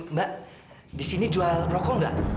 mbak di sini jual rokok nggak